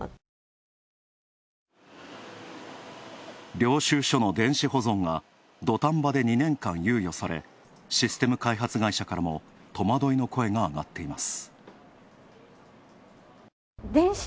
領収書の電子保存が土壇場で２年間、猶予され、システム開発会社からも戸惑いの声が上がっています。